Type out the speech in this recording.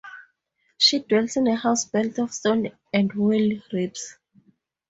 She dwells in a house built of stone and whale-ribs.